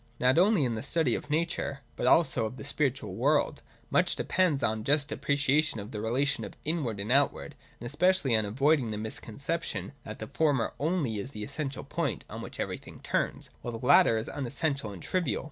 Not only in the study of nature, but also of the spiritual world, much depends on a just appreciation of the relation of inward and outward, and especially on avoiding the misconception that the former only is the essential point on which everjrthing turns, while the latter is unessential and trivial.